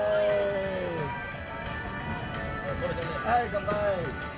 乾杯！